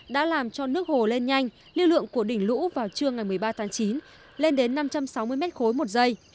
đã làm cho nước hồ lên nhanh lưu lượng của đỉnh lũ vào trưa ngày một mươi ba tháng chín lên đến năm trăm sáu mươi mét khối một giây